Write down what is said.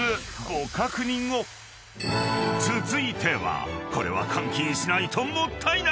［続いてはこれは換金しないともったいない！］